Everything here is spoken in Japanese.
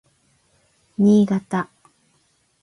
Niigata